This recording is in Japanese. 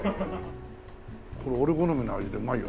これ俺好みの味でうまいよ。